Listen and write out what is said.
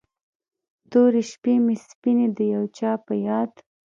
تورې شپې مې سپینې د یو چا په یاد